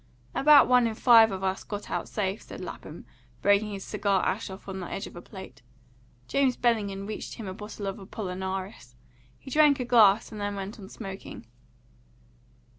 "About one in five of us got out safe," said Lapham, breaking his cigar ash off on the edge of a plate. James Bellingham reached him a bottle of Apollinaris. He drank a glass, and then went on smoking.